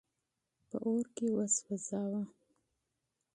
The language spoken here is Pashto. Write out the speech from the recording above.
په اور کي وسوځاوه.